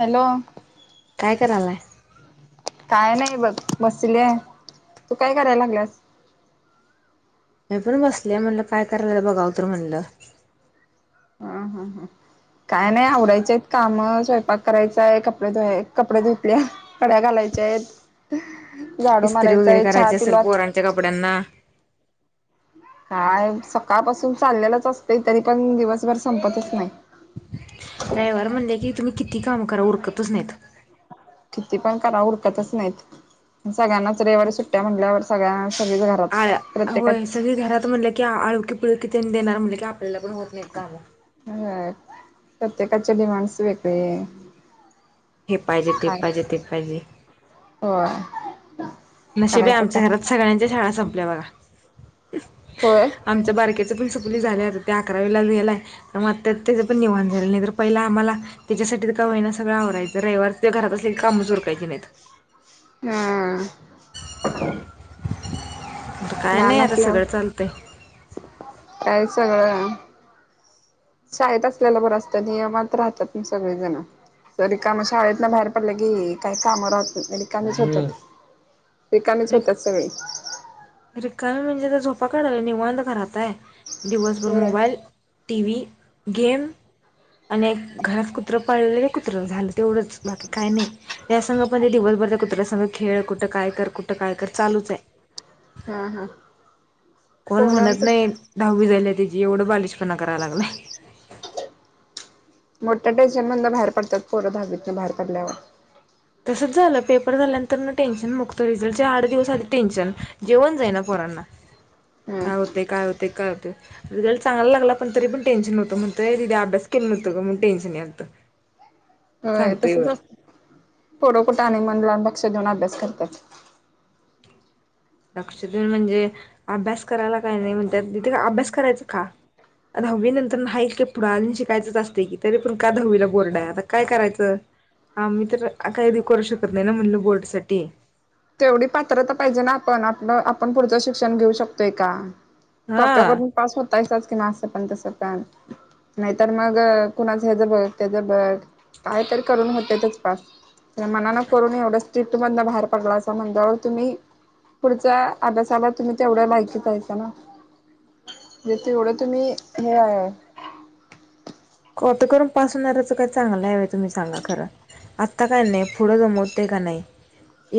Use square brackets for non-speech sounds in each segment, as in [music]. Hello काय करायलाय काय नाही बघ बसली आहे तू काय करायला लागलास मी पण बसली म्हणलं काय करायला बघाव तर म्हणलं हा हा काय नाही आवरायचेत काम स्वयंपाक करायचांय कपडे धु कपडे धुतले घड्या घालायच्या आहेत झाडू मारायचाय चहा पिला त्याच्या कपड्यांना हा सकाळपासून चाललेलंच असते तरी पण दिवसभर संपतच नाही ड्रायव्ह म्हणले की, तुम्ही किती काम करा, उरकतच नाहीत. किती पण करा उरकतच नाहीत, सगळ्यांनाच रवीवारी सुट्ट्या म्हणल्यावर सगळ्यांना सगळीच आ घरात प्रत्येका होय सगळी घरात म्हटले की आळुखी पिळकी त्यांन देणार, म्हणले की आपल्याला पण होत नाहीत काला. अ प्रत्येकाचे डिमांडस वेगळे. हे पाहिजे ते काय पाहिजे ते पाहिजे. होय नशिब आहे करायचं आमच्या काय घरात सगळ्यांच्या शाळा संपल्या बघा होय आमच्या बारकेच्या पण सुपुली झाल्या आता त्या अकरावी ला गेलाय म आता त्याच पण निवांत झाल नाही तर पहिला आम्हाला त्याच्यासाठी तर का होईना सगळं आवरायचं रविवारच त्यो घरात असली की काम उरकायची नाहीत हा काय नाही लहान आता असल्या, सगळं चालतंय काही सगळं शाळेत असल्याला बरं असतं नियमात राहतात सगळेजण रिकाम शाळेत न बाहेर पडलं की काय काम [unintelligible] रिकामीच होत्यात रिकामीच रिक होत्यात सगळे रिकामी म्हणजे झोपा काढायला निवांत घरात आहे दिवसभर मोबाईल टीव्ही गेम आणि घरात कुत्र पाळलय कुत्र झालं तेवढंच बाकी काही नाही या संघ पण ते दिवसभर कुत्र्या संघ खेळ कुठं काय कर कुठं काय कर चालूच आहे हम हम कोण म्हणत नाही दहावी झाल्या त्याची एवढं बालिशपणा करायला लागला [inaudible] मोठ्या टेन्शन मदन बाहेर पडतात पोर दहावीतून बाहेर पडल्यावर तसंच झालं पेपर झाल्यानंतर म टेन्शन मुगतं रिझल्टच्या आठ दिवस आधी टेन्शन जेवण जाई ना पोरांना हम्म काय होतय काय होतय काय होतय रिझल्ट चांगला लागला पण तरी पण टेनशन हो्त म्हणतोय दीदे अभ्यास केलं नव्हतं गं म्हणताना टेन्शन यालतं होय सांगतोय तसच वर अस पोरं कुठं आणि मन लावून लक्ष देऊन अभ्यास करतात लक्ष देन म्हणजे अभ्यास करायला काही नाही म्हणतात तिथे का अभ्यास करायचं का दहावी नंतर न हाय की पुढ शिकायचंच असते की तरी पण का दहावीला बोर्डा आहे आता काय करायचं हा मी तर काही करू शकत नाही ना म्हणलं बोर्ड साठी तेवढी पात्रता पाहिजे ना आपण आप आपण पुढचं शिक्षण घेऊ शकतोय का हा कॉप्या काढून पास होतासच की ना असं पण तस पॅन नाहीतर मग कुणाच हे ज बघ ते ज बघ काय तर करून होतेतच पास तर मनान करून एवढं स्ट्रिप्ट मधन बाहेर पडला मं तुम्ही पुढच्या अभ्यासाला तुम्ही तेवढ्या माकीहाच ना जथ एवढं तुम्ही हे आहे कॉपी करून पासून येचं काही चांगलं हव तुम्ही चांगला खरं आत्ता काही नाही पुढं जमवते का नाही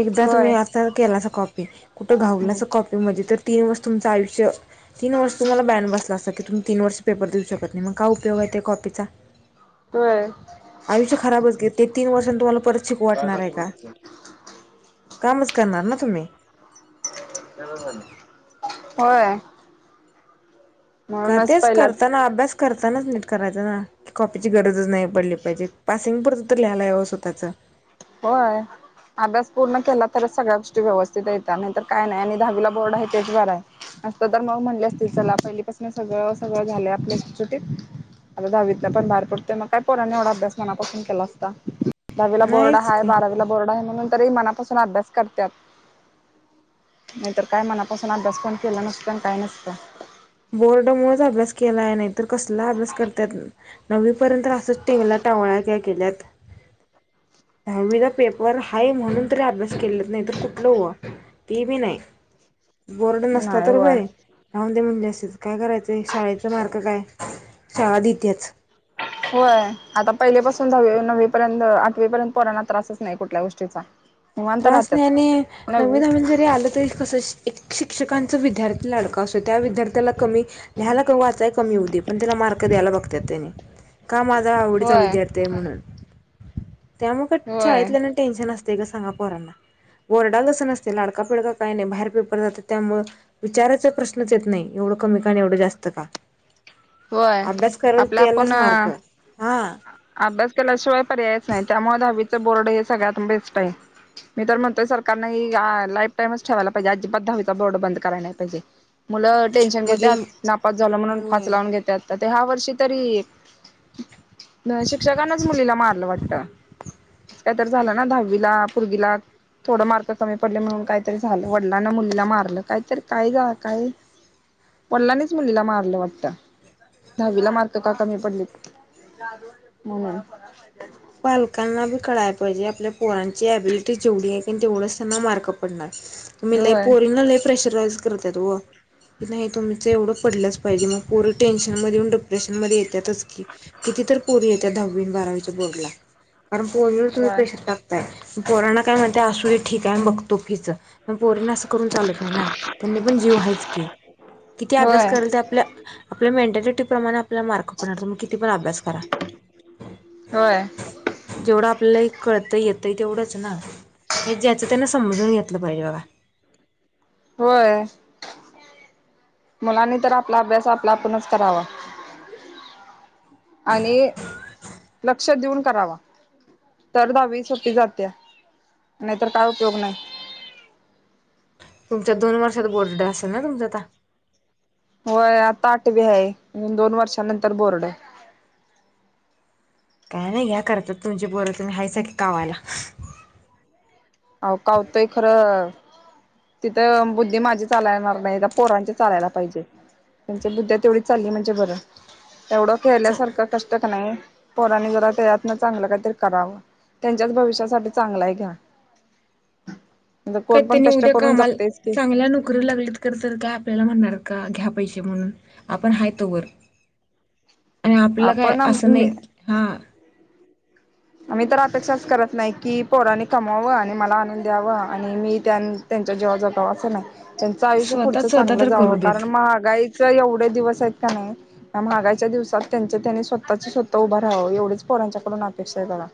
एकदा तुम्ही होय असता केला अस कॉपी कुठं घाऊलाच कॉपी म्हणजे तर तीन वर् तुमचं आयुष्य तीन वर्ष तुम्हाला बॅन बस असत क तुम् तीन वर्ष पेपर देऊ शकत नाही मग का उपयोग आहे ते कॉ पिझ होय आयुष्य खराबच ग ते तीन वर्षां तुम्हाला परत शिक वाटणार आहे का कमज करणार ना तुम्ही होय क म्हणूनच तेच पहिला करताना अभ्यास करतानाच नीट करायचं ना की कॉपीची गरजच नाही पडली पाहिजे पासिंग परत लियला यावं स्वतचं होय अभ्यास पूर्ण केला तरच सगळ्या गोष्टी व्यवस्थित येतात नाहीतर काय नाही आणि दहावीला बोर्ड आहे तेचवरर आहे असत तर मग म्हटले असतील चला पहिलीपासून सगळं सगळं झालं आपल सुटसुटीत आता दहावीतल्या पण बाहेर पडत मग काय पोरने एवढा अभ्यास मनापासून केला असता दहावीला बोर्ड नाहीच की दहावीलाबोर्ड आहे म्हणून तरी मनापासून अभ्यास करतात नाहीतर काय मनापासून अभ्यास पण केला नसतं आणि काही नसतं बोर्डमुळेच अभ्यास केला आहे नाही तर कसला अभ्यास करतात नववीपर्यंत असंच टिंगल्या टवाळक्याकेल्यात दहावीदा पेपर हाय म्हणून तरी अभ्यास केला नाही तर कुठलं हो ते मी नाही बोर्ड नसता नाही तर होय वय लाह दे म्हणज त्याचं काय करायचं आहे शाळेचा मार्ग काय शाळा देतेच होय आता पहिले पासून दहावी नववी पर्यंत आठवी पर्यंत पोरांना त्रासच नाही कुठल्या गोष्टीचा निवांत त्रास राहतात नाही आणि नववी नवीन नवीन जरी आलं तरी कस एक शिक्षकांचं विद्यार्थी लाडकां असतो त्या विद्यार्थ्याला कमी लिहायला का वाचाय कमी हो दे पण त्याला मार्क द्यायला बघतात त्याने का माझा आवडीचा होय विद्यार्थी आहे म्हणून त्यामुग होय शाळेतल्यांत टेनशन असते का सांगा पोरांना वरडालसं नसते लाडका पिडका काय नाही बाहेर पेपर जात त्यामुळ विचाराचा प्रश्नच येत नाही एवढं कमी का आणि एवढं जास्त का होय अभ्यास करेल आपला आपण त्यालाच मार्ग हा अभ्यास केल्याशिवाय पर्यायच नाही त्यामुळे दहावीचं बोर्ड हे सगळ्यात बेस्ट आहे मी तर म्हणतोय सरकारनेी लाईफ टाईमच ठेवायला पाहिजे अजिबात दहावीचा बोर्ड बंद करायला नाही पाहिजे मुलं टेन्शन घेत मध्ये नापात झालं म्हणून फ होय घ ते ह्या वर्षी तरी न शिक्षकनाच मुलीला मारलं वाटत काय तर झालं ना दहावीला पूर्वीला थोडं मार्क कमी पडले म्हणून काहीतरी झालं वडलां मुलीला मारलं काहीतरी काय झा काय पडलानेच मुलीला मारलं वाटतं दहावीला मार्क का कमी पडली म्हणून पालकांना बी कळाला पाहिजे आपल्या पोरांची अबिलिटी जेवढी आहे तेवढंच त्यांना मार्क पडणार तु्ी ल होय पोरिंगला ल प्रेशराईज करत तो की नाही तुम्हीचं एवढं पडलंच पाहिजे मग पोरं टेन्शनमध्ये येऊन डिप्रेशनमध्ये येतातच की किती तर पोरी येत त्या दहावी बारावीच्या बोर्डला कारण पोरीवर तुम्ही होय प्रेशर टाक पोराणा काय म्हणते असु ठीक आहे बघतो कीच म पोरीना करून चालत नाही ना त्यांनी पण जीव वयच की किती अभ्यास होय करेल ते आपल्या आपल्या मेंटॅलिटी प्रमाणे आपल्याला मार्क पडत मग किती पण अभ्यास करा होय जेवढं आपल्याला हे कळतं येत आहे तेवढंच ना हे ज्याचं त्यांना समजून घेतलं पाहिजे बाबा होय मुलांनी तर आपला अभ्यास आपला आपणच करावा आणि लक्ष देऊन करावा तर दहावी सुटी जाते नाहीतर काय उपयोग नाही तुमच्या दोन वर्षात बोर्ड असेल ना तुमच्या आता होय आता आठवी आहे म्ह दोन वर्षा नंतर बोर्ड आहे काय नाही घ्या करतात तुमचे बोर तुम्ही हय क कावायला हो का होतोय खरं तिथं बुद्धी माझी चालाणार नाही पोरांचे चालायला पाहिजे त्यांच्या बुद्ध्या तेवढी चालली म्हणजे बरं तेवढं चल खेळल्यासारखं कष्ट का नाही पोरानी जरा त्यातन चांगलं काहीतरी करावं त्यांच्याच भविष्यासाठी चांगला आहे घ्या म्हणजे कोण पण कातनी कष्ट उद्या करून कामाला जगतेच की चांगल्या नोकरी लागली करसेल काय आपल्याला म्हणणार का घ्या पैसे म्हणून आपण हाय तोवर आणि आपलं काय आपण असं नाही आम्ही हा आम्ही तर अेक्षाच करत नाही की पोरनी कमावं आणि मला आणनून द्यावं आणि मी त्यां त्यांच्या जेव्हा जातावं असं नाही त्यांचं आयुष्य स्वतः पुढचं स्वतः चांगलं तर करू जावं कारण देत महागाई एवढे दिवस आहेत का नाही मग आाच्या दिवसात त्यां त्यांनी स्वतः चे स्वतः उभं राहावं एवेच पोरांच्याकडून करा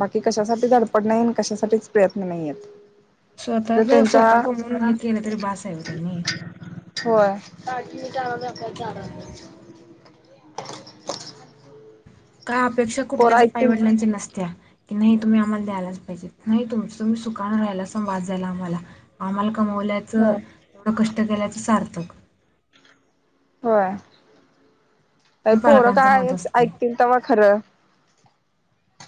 बाकी कशासाठीच डपड नाही कशासाठीच प्रयत्न नाहीयेत स्वतःच स्वतः कमवून हे केलं तरी बसा आहेव त्यांनी होय का जा व्या जा काय अपेक्षा पोरं कुठल्याच ऐकतील पायवडलांच्या नसत्या की नाही तुम्ही आम्हाला द्यायलाच पाहिजे नाही तुम तुम्ही सुकान राहायला संवाद जायला आम्हाला आम्हाला कमवल्याचं हो तेवढं कष्ट केल्याचं सार्थक हो हे पोरं पालकांचं काय मत असतंय ऐकतील तेव्हा खरं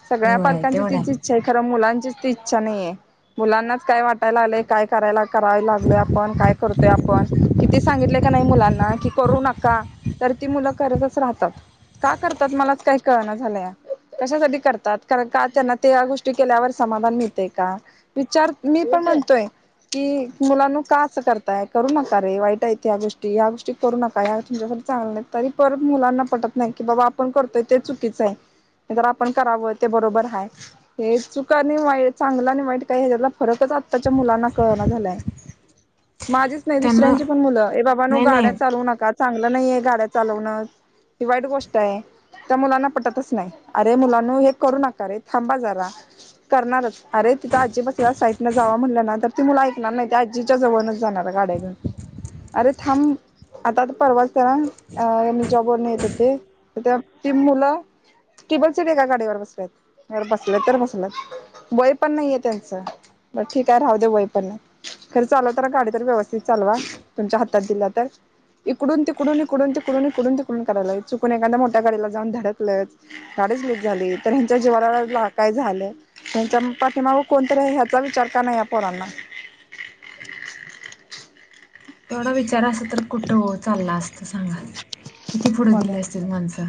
सगळ्या होय पालकांची तेवढं तिची आहे इच्छा खं मुलांचीच त इच्छा नाहीये मुलांनाच काय वाटायला लागलेय काय करायला कराय लागल आपण काय करतोय आपण किती सांगितले का नाही मुलांना कि करू नका तर ती मुलं करतच राहतात का करतात मलाच काही कळणं झालंय कशासाठी करतात कारण का त्यांना त्या गोष्टी केल्यावर समाधान मिळते का विचार मी पण म्हणतोय कि मुलांन का असं करताय करू नका रे वाईट आहेत या गोष्टी या गोष्टी करू नका या तुमच्यासाठी चांगलं तरी पर मुलांना पटत नाही की बाबा आपण करतोय ते चुकीचं आहे जर आपण करावं ते बरोबर आहे हे चुका आणि वाईट चांगलं आणि वाईट काय ह्याच्याला फरकच आत्ताच्या मुलांना कळवना झालाय माझीच नाही त्यांना दुसऱ्यांची पण मुलं बाबा नो नाही नाही गाड्या चालवू नका चांगलं नाहीये गाड्या चालवणं ही वाईट गोष्ट आहे त्या मुलांना पटतच नाही अरे मुलान हे करू नकाे थांबा जरा करणारच अरे तिथं आजी बसला साईडनं जावा म्हणलं ना तर ती मुला ऐकणार नाही आज जिच्या जवळच जाणार गाड्या घेऊन अरे थांब आता आता परवाताना अ जॉबर नाही येत ते ती मुलं ट्यबल चेट आहे का गाडी्यावर बसल्यात बसले तर बसला वय पण नाहीये त्यांचं ब ठीक आहे राहू दे वय पण नाही खर चाल तर गाडी तर व्यवस्थित चालवा तुमच्या हातात दिला तर इकडून तिकडून इकडून तिकडून ते इकडून तिकडून ते कडून करायलाय चुकून एखादा मोठ्या गाडीला जाऊन धडलंयच गडीच लक झाली तर ह्यांच्या जीवानाला काय झालं त्यांच्या पाठीमाग कोणतरी ह्याचा विचार का नाही या पोरांना तेवढा विचार अस तर कुठं चालला असतं सांगा किती पुढं गेले कॉलेज असते माणसं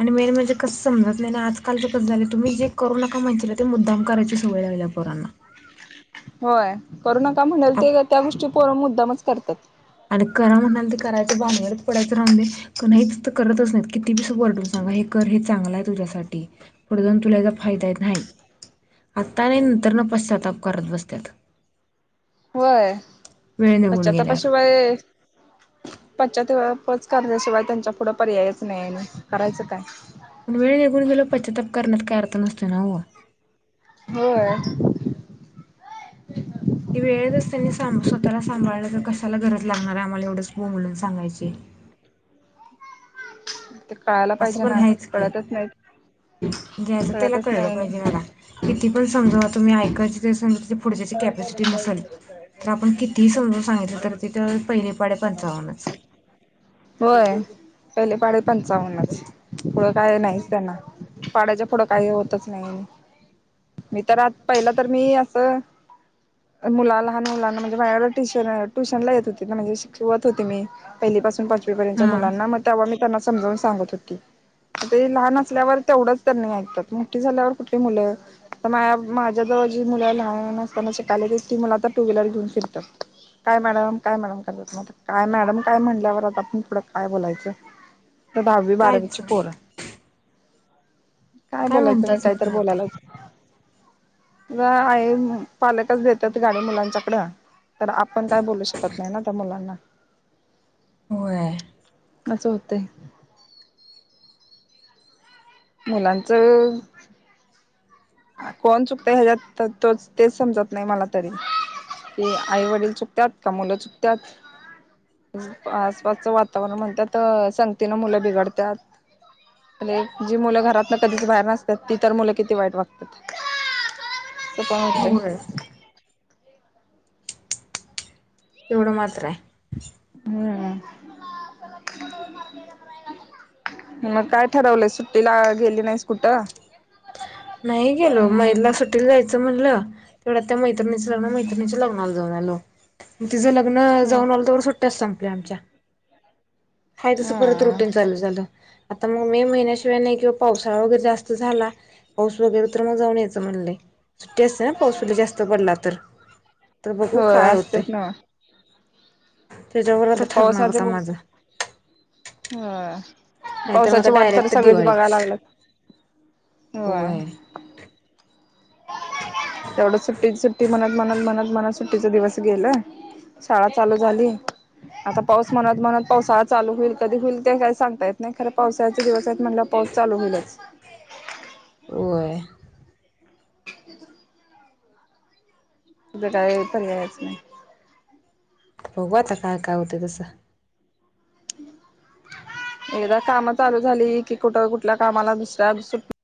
आणि मेन म्हणजे कसं समजत नाही आणि आजकालचं कसं झालं तुम्ही जे करू नका माहिला ते मुद्दाम करायची सो वला वला पोर ना होय करू नका म्हणेल ते त्या गोष्टी पोर मुद्दामच करतात. आणि करा म्हणाल तर करायच्या बावरच पडायचं राहून दे कणच तर करतच नाहीत किती बी सुपरटून सांगा हे हे चांगला आहे तुझसाठी पुढे जाऊ तुलाचा फायदा नाही. आत्ता नाही नंतर न पश्चाताप करत बसता. वेळ निघून गेल्यावर पश्चातापाची वेळ पाच्च्या तेच कल्याशिवाय त्यांच्या पुढं पर्यायच नाही आणि करायचं काय पण वेळ निघून गेलो पश्चातप करण्यात का अर्थ नसते ना हो होय ती वेळेतच त्यांनी सां स्वतःला सांभाळण्या तर कशाला गरज लागणार आम्हाला एवढंच ब म्होलून सांगायची ते कळायला असं पाहिजे पण ना ह्यायच की कळतच नाही घ्यायचं त्याला कळतच कळलं नाही आणि पाहिजे मला किती पण समजावा तुम्ही ऐकायचे ते समज पुढच्याची कॅपॅसिटी नसेल तर आपण कितीही समजून सांगितलं तर ते पहिले पाडे पंचावन्नच होय पहिले पाडे पंचावन्नच पुढं काय नाहीच त्यांना.. पाड्याच्या पुढं काही होतच नाही मी तर आत पहिला तर मी ह मुला लहान मुलांना म्हणजे माझ टीचर ट्युशन ला येत होती ना म्हणजे शिकवत होती मी पहिली पाासून पाचवी पर्यंतच्या हा मुलांना मग तेव्हा मी त्यांना समजावून सांगत होती आता लहान असल्यावर तेवढंच त्यांनी ऐकतात मोठी झाल्यावर कुठली मुलं तर माझ माझ्या जवळ जी मुलं लहान असताना शिकायली ती मुलं आता टू व्हीलर घेऊन फिरतात. काय मॅडम काय मॅडम करतात म काय मॅडम काय म्हणल्यावर आता आपण पुढं काय बोलायचं तर दहावी कायच बारावीची पोर आहे. काय बोलायचं मी म्हणताच येत काहीतरी नाही आता बोलायलाच आहे. पालकच देतात गाडी मुलांच्याकड तर आपण काय बोलू शकत नाही ना त्या मुलांना होय असं होतंय मुलांचं कोण चुकत ह्याच्यात तोच तेच समजत नाही मला तरी ते आई वडील चुकतात का मुलं चुकतात. आसपासचं वातावरण म्हणतात संगतीनं मुलं बिघडतात. जी मुलं घरातन कधीच बाहेर नसतात ती तर मुलं किती वाईट वागतात. कतते होय एवढं मात्र आहे. हम्म मग काय ठरवलंय सुट्टीला गेली नाही कुठं नाही गेलो मैला सुटील जायचं म्हणलं. तेवढं त्या मै्रिणीच लग्न मैत्रिणी लग्नाला जाऊ आलो. मग तिझं लग्न हम्म जाऊन आलं तर सुट्ट्या सांग आमच्या हय तस परत हा रुटींग ल झालं आता मग मे महिन्याशिवाय नाही किंवा पावसाळा वगैरे जास्त झाला. पाऊस वगैरे तर मग जाऊन यायचं म्हणलंय. सुट्टी असते ना पाऊसली जास्त पडला तर तर बघू होय काय होते असतेच ना आता पावसाचे माझं ह नाहीतर मग आता पावसाची वाट तर डायरेक्ट सगळेच दिवाळीच. बघायला लागल होय. एवढं सुट्टी सुट्टी म्हणत म्हणत म्हणत म्हनात सुट्टीचा दिवस गेल. शाळा चालू झाली आता पाऊस म्हणत म्हणत पावसाळा चालू होईल कधी होईल ते काय सांगता येत नाही खर पावसाळचे दिवस आहेत म्हट पास ल होईलच होय तुझं काय पण यायच नाही. बघू आता काय काय होते तसं एकदा काम चालू झाली की कुठ कुठल्या कामाला दुसऱ्या